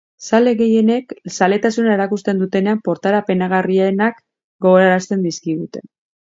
Zale gehienek, zaletasuna erakusten dutenean portaera penagarrienak gogorarazten dizkigute.